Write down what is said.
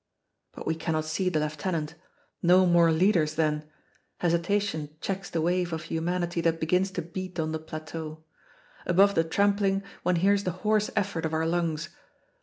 But we cannot see the lieutenant. No more leaders then Hesitation checks the wave of humanity that begins to beat on the plateau. Above the trampling one hears the hoarse effort of our lungs.